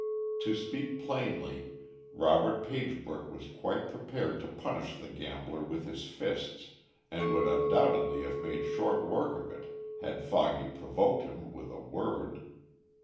To speak plainly, Robert Pagebrook was quite prepared to punish the gambler with his fists, and would undoubtedly have made short work of it had Foggy provoked him with a word.